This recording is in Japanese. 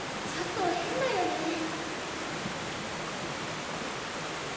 ちょっと変だよね。